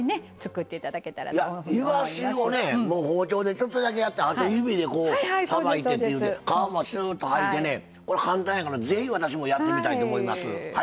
包丁でちょっとだけやってあと指でさばいてって皮もシューッとはいでね簡単やから是非私もやってみたいと思います。